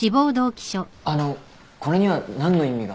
あのこれには何の意味が？